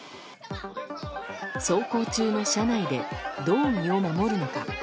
走行中の車内でどう身を守るのか。